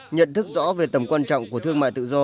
nhận thức rõ về tầm quan trọng của thương mại tự do